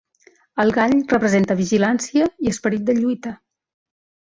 El gall representa vigilància i esperit de lluita.